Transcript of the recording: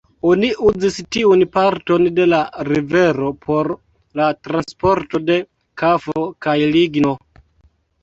Oni uzis tiun parton de la rivero por la transporto de kafo kaj ligno.